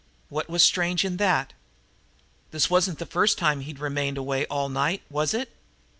What was strange in that? This wasn't the first time he'd remained away all night, was it?